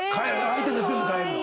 相手で全部変えるの？